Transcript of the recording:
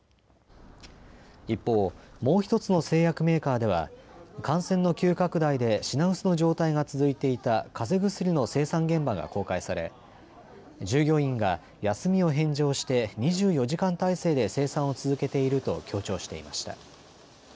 一方、もう１つの製薬メーカーでは感染の急拡大で品薄の状態が続いていたかぜ薬の生産現場が公開され、従業員が休みを返上して２４時間態勢で生産を続けていると強調していました。